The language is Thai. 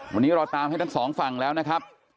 วันนี้เราตามให้ทั้งสองฝั่งแล้วนะครับ